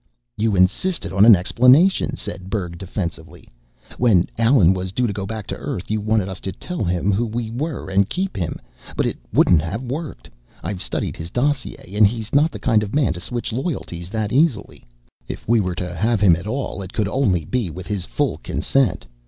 "You insisted on an explanation," said Berg defensively. "When Allen was due to go back to Earth, you wanted us to tell him who we were and keep him. But it wouldn't have worked. I've studied his dossier, and he's not the kind of man to switch loyalties that easily. If we were to have him at all, it could only be with his full consent.